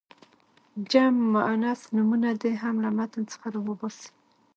جمع مؤنث نومونه دې هم له متن څخه را وباسي.